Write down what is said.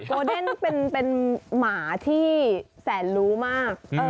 เดนเป็นหมาที่แสนรู้มาก